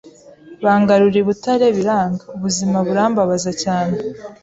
bangarura I Butare biranga, ubuzima burambabaza cyane,